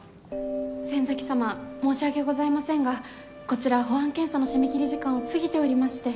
仙崎様申し訳ございませんがこちら保安検査の締め切り時間を過ぎておりまして。